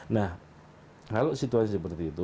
nah kalau situasi seperti itu